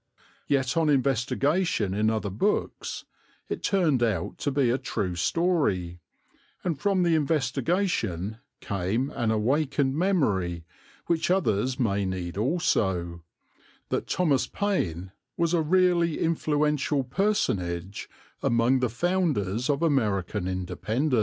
Yet on investigation in other books it turned out to be a true story, and from the investigation came an awakened memory, which others may need also, that Thomas Paine was a really influential personage among the founders of American Independence.